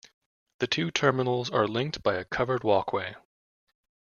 The two terminals are linked by a covered walkway.